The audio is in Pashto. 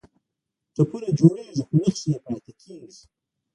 ټپونه جوړیږي خو نښې یې پاتې کیږي.